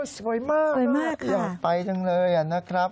สวยมากนะครับอยากไปจังเลยนะครับสวยมากค่ะ